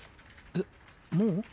えっもう？